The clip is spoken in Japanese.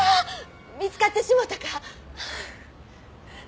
見つかってしもたか。